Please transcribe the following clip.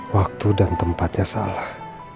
waktu dan tempatnya salah